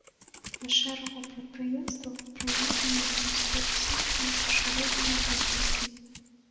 На шэрагу прадпрыемстваў праведзена рэканструкцыі і пашырэнне магутнасцей.